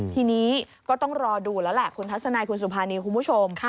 ทีนี้ก็ต้องรอดูแล้วแหละคุณทัศนายคุณสุภานีคุณผู้ชม